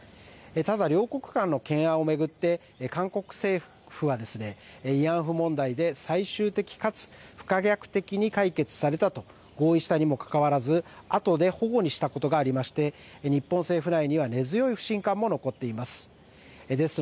ただ、両国間の懸案を巡って、韓国政府は慰安婦問題で最終的かつ不可逆的に解決されたと合意したにもかかわらず、あとでほごにしたことがありまして、日本政府内には根強い不信感も残っています。